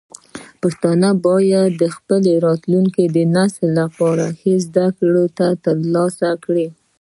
پښتانه باید د خپل راتلونکي نسل لپاره ښه زده کړې ترلاسه کړي.